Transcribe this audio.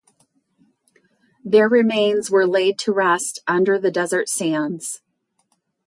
Their remains were laid to rest under the desert sands.